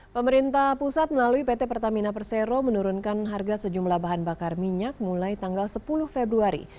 pertamina pusat menurunkan harga sejumlah bahan bakar minyak mulai tanggal sepuluh februari